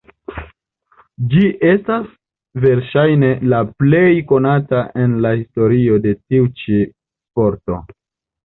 Ĝi estas verŝajne la plej konata en la historio de tiu ĉi sporto.